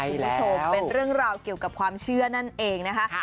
คุณผู้ชมเป็นเรื่องราวเกี่ยวกับความเชื่อนั่นเองนะคะ